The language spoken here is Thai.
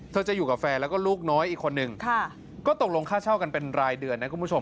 จะอยู่กับแฟนแล้วก็ลูกน้อยอีกคนนึงก็ตกลงค่าเช่ากันเป็นรายเดือนนะคุณผู้ชม